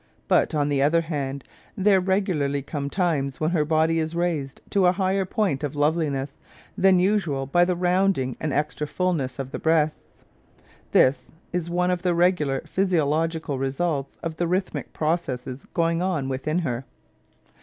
But, on the other hand, there regularly come times when her body is raised to a higher point of loveliness than usual by the rounding and extra fullness of the breasts. (This is one of the regular physiological re sults of the rhythmic processes going on within her.)